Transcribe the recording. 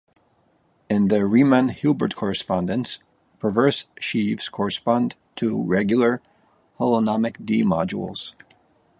In the Riemann-Hilbert correspondence, perverse sheaves correspond to regular holonomic D-modules.